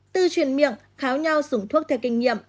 từ truyền miệng tháo nhau dùng thuốc theo kinh nghiệm